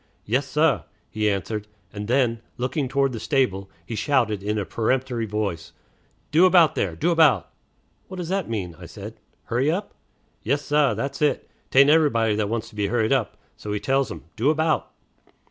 "Yes, sah," he answered; and then, looking toward the stable, he shouted in a peremptory voice, "Do about, there! Do about!" "What does that mean?" said I. "Hurry up?" "Yes, sah, that's it. 'Tain't everybody that wants to be hurried up; so we tells 'em, 'Do about!'"